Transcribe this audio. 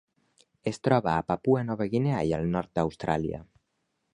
Es troba a Papua Nova Guinea i al nord d'Austràlia.